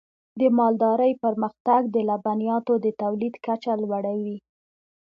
د مالدارۍ پرمختګ د لبنیاتو د تولید کچه لوړوي.